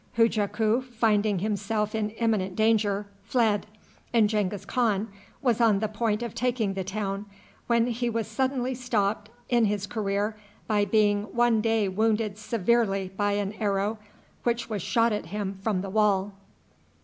Hujaku, finding himself in imminent danger, fled; and Genghis Khan was on the point of taking the town, when he was suddenly stopped in his career by being one day wounded severely by an arrow which was shot at him from the wall.